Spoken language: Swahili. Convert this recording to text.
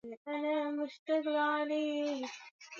Familia hiyo haina pesa nyingi